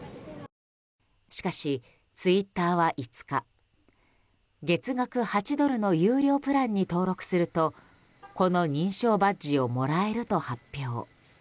しかし、ツイッターは５日月額８ドルの有料プランに登録するとこの認証バッジをもらえると発表。